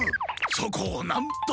そこをなんとか！